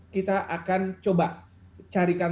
kita akan coba carikan